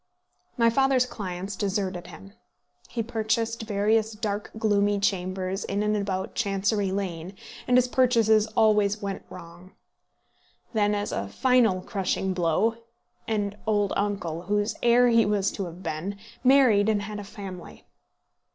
My father's clients deserted him. He purchased various dark gloomy chambers in and about Chancery Lane, and his purchases always went wrong. Then, as a final crushing blow, an old uncle, whose heir he was to have been, married and had a family!